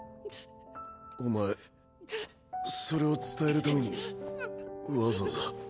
お前それを伝えるためにわざわざ。